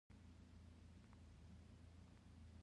هغه په فیل سپور دی او په سلطان معزالدین د نېزې ګوزار کوي: